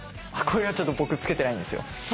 これがちょっと僕付けてないんですよ。